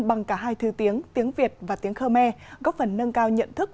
bằng cả hai thư tiếng tiếng việt và tiếng khmer góp phần nâng cao nhận thức